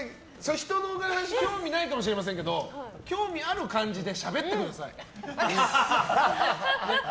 人の話興味ないかもしれませんけど興味ある感じでしゃべってください。